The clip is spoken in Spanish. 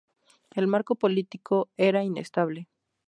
El marco político era inestable.